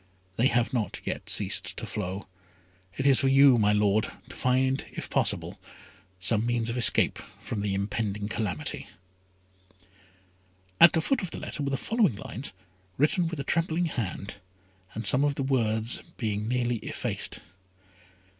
They have not yet ceased to flow. It is for you, my Lord, to find, if possible, some means of escape from the impending calamity." At the foot of the letter were the following lines, written with a trembling hand, and some of the words being nearly effaced.